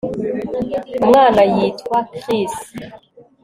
Umwana yitwa Chris